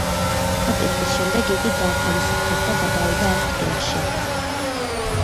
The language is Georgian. დაკითხვის შემდეგ იგი გაათავისუფლეს და გადავიდა ავსტრიაში.